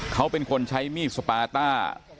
เขาเป็นคนใช้มีดสปาต้า